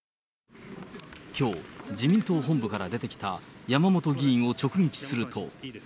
きょう、自民党本部から出てきた山本議員を直撃すると。